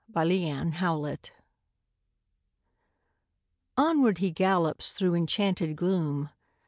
KNIGHT ERRANT Onward he gallops through enchanted gloom.